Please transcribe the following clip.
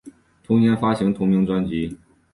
同年发行同名专辑。